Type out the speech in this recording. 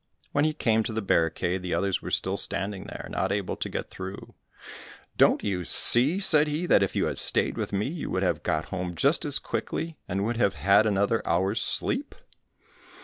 When he came to the barricade, the others were still standing there, not able to get through. "Don't you see," said he, "that if you had stayed with me, you would have got home just as quickly, and would have had another hour's sleep?"